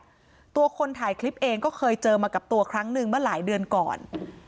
ตัวคนถ่ายคลิปเองก็เคยเจอมากับตัวครั้งหนึ่งเมื่อหลายเดือนก่อน